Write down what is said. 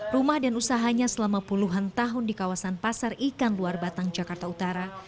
rumah dan usahanya selama puluhan tahun di kawasan pasar ikan luar batang jakarta utara